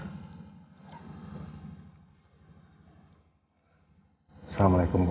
saya masih harus balik ke kantor